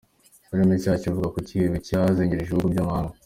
Filimi nshya Ivuga Kucyihebe Cyazengereje Ibihugu Byamahanga